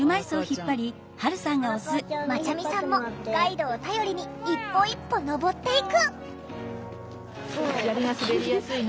まちゃみさんもガイドを頼りに一歩一歩登っていく。